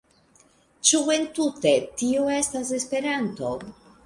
Ĉu entute tio estas Esperanto?